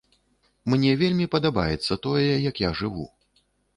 Мне вельмі падабаецца тое, як я жыву.